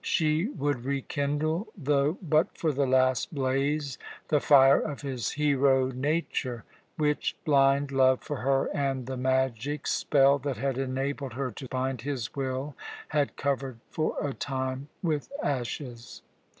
She would rekindle, though but for the last blaze, the fire of his hero nature, which blind love for her and the magic spell that had enabled her to bind his will had covered for a time with ashes.